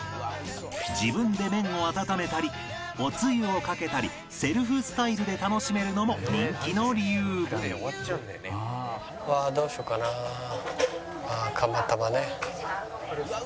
自分で麺を温めたりおつゆをかけたりセルフスタイルで楽しめるのも人気の理由ああ釜たまね。